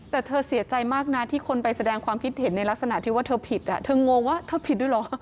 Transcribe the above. แต่เธอเสียใจมากนะที่คนไปแสดงความคิดเห็นในลักษณะที่ว่าเธอผิดเธองงว่าเธอผิดด้วยเหรอ